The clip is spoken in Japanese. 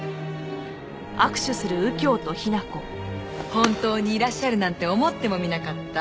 本当にいらっしゃるなんて思ってもみなかった。